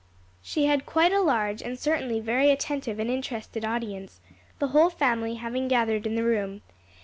She had quite a large and certainly very attentive and interested audience, the whole family having gathered in the room.